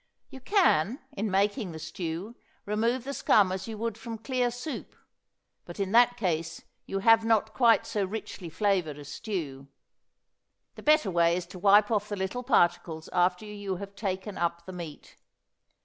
You can, in making the stew, remove the scum as you would from clear soup, but in that case you have not quite so richly flavored a stew. The better way is to wipe off the little particles after you have taken up the meat.